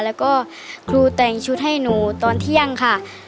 แล้วก็ครูแต่งชุดให้หนูตอนเที่ยงค่ะ